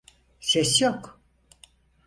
Ses yok.